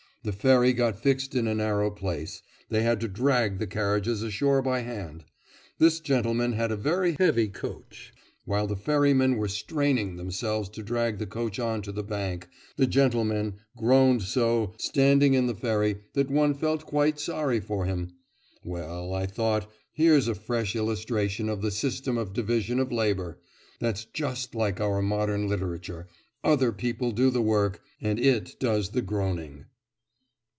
The ferry got fixed in a narrow place; they had to drag the carriages ashore by hand. This gentleman had a very heavy coach. While the ferrymen were straining themselves to drag the coach on to the bank, the gentleman groaned so, standing in the ferry, that one felt quite sorry for him.... Well, I thought, here's a fresh illustration of the system of division of labour! That's just like our modern literature; other people do the work, and it does the groaning.